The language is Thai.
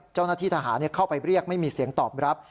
เจ้าหน้าที่ทหารเข้าไปเรียกไม่มีเสียงตอบรับ